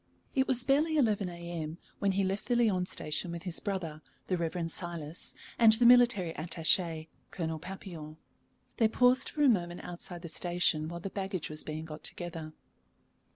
It was barely 11 A.M. when he left the Lyons Station with his brother, the Reverend Silas, and the military attaché, Colonel Papillon. They paused for a moment outside the station while the baggage was being got together.